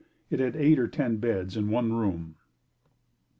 It had eight or ten beds in one room.